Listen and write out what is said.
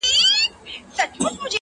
ستا د سوځلي زړه ايرو ته چي سجده وکړه!!